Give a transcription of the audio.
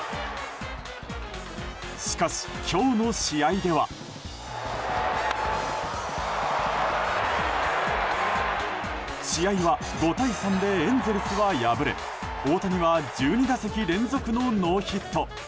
しかし、今日の試合では。試合は、５対３でエンゼルスは敗れ大谷は１２打席連続のノーヒット。